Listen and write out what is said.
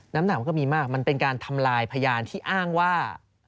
น้ำหนักมันก็มีมากมันเป็นการทำลายพยานที่อ้างว่า